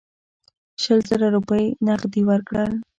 شل زره روپۍ نغدي ورکړل.